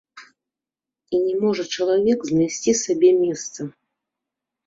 І не можа чалавек знайсці сабе месца.